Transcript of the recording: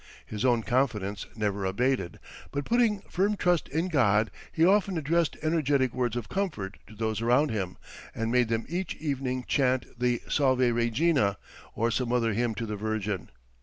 His own confidence never abated, but putting firm trust in God, he often addressed energetic words of comfort to those around him, and made them each evening chant the Salve Regina, or some other hymn to the Virgin.